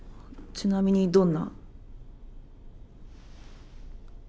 ちなみにどんな？